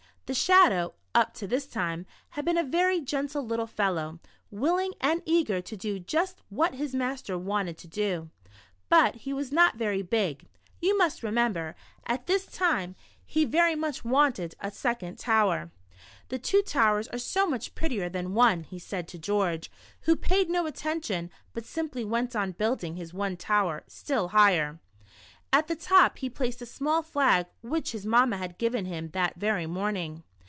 The Shadow, up to this time, had been a \ery gentle little fellow, willing and eager to do just what his master wanted to do, but he was not very big, you must remember, and this time he very 92 The Shadow. much wanted a second tower. Two towers are so much prettier than one," he said to George, who paid no attention, but simply went on building his one tower still higher. At the top he placed a small flag which his mamma had given him that very morning.